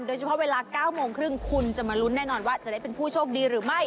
เวลา๙โมงครึ่งคุณจะมาลุ้นแน่นอนว่าจะได้เป็นผู้โชคดีหรือไม่